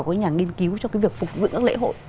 của nhà nghiên cứu cho cái việc phục dựng các lễ hội